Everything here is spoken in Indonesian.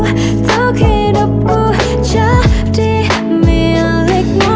untuk hidupku jadi milikmu